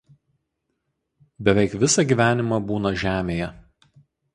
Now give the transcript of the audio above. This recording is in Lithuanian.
Beveik visą gyvenimą būna žemėje.